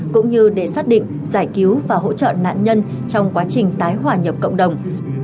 cũng như để xác định giải cứu và hỗ trợ nạn nhân trong quá trình tái hòa nhập cộng đồng